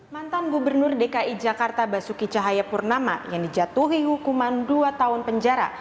mantan gubernur dki jakarta basuki cahayapurnama yang dijatuhi hukuman dua tahun penjara